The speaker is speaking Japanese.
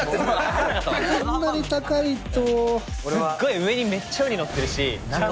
あんまり高いと。すっごい上にめっちゃウニのってるし。